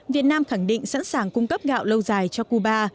việt nam khẳng định sẵn sàng cung cấp gạo lâu dài cho cuba